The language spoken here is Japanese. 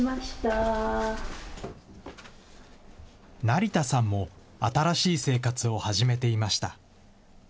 成田さんも新しい生活を始めていました。